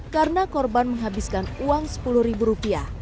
karena korban menghabiskan uang rp sepuluh